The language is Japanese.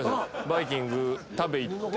バイキング食べ行って。